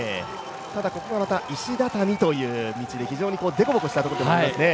ただここがまた石畳という道で、非常に凸凹したところになりますね。